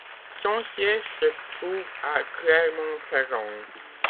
Son siège se trouve à Clermont-Ferrand.